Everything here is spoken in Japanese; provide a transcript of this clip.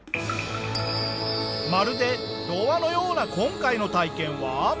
まるで童話のような今回の体験は。